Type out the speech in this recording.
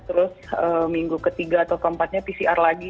terus minggu ketiga atau keempatnya pcr lagi